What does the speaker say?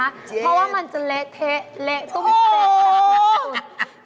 เพราะว่ามันจะเละเทะเละตุ้มอีกแป๊บกว่าที่สุด